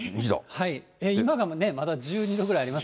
今がまだ１２度ぐらいありま